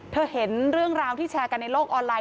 เห็นเรื่องราวที่แชร์กันในโลกออนไลน